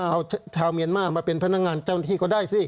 เอาชาวเมียนมาร์มาเป็นพนักงานเจ้าหน้าที่ก็ได้สิ